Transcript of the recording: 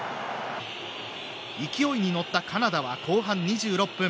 勢いに乗ったカナダは後半２６分。